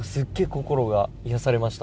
心が癒やされました。